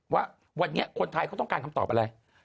ว่าวันนี้คนไทยเขาต้องการคำตอบอะไร